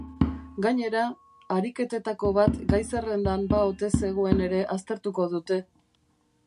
Gainera, ariketetako bat gai-zerrendan ba ote zegoen ere aztertuko dute.